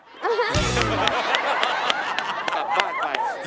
กลับบ้านไป